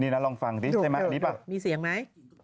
นี่นะลองฟังดิให้มั้ยโรตีสดโรตีสดโรตีสด